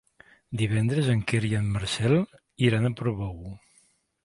Divendres en Quer i en Marcel iran a Portbou.